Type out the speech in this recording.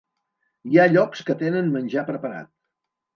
Hi ha llocs que tenen menjar preparat.